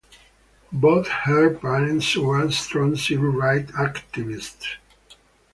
Both her parents were strong civil rights activists.